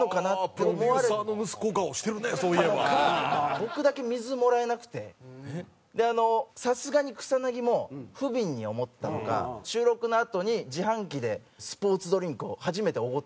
僕だけ水もらえなくてでさすがに草薙も不憫に思ったのか収録のあとに自販機でスポーツドリンクを初めておごってくれたんですよ。